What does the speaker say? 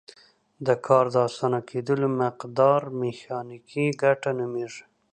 د کار د اسانه کیدلو مقدار میخانیکي ګټه نومیږي.